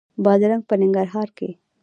بادرنګ په ننګرهار کې کیږي